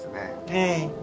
ええ。